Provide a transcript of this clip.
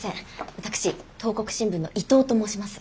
私東国新聞の伊藤と申します。